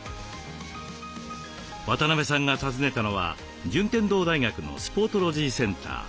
渡邊さんが訪ねたのは順天堂大学のスポートロジーセンター。